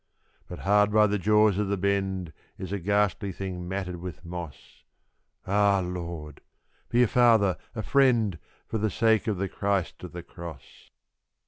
But hard by the jaws of the bend is a ghastly Thing matted with moss _Ah, Lord! be a father, a friend, for the sake of the Christ of the Cross.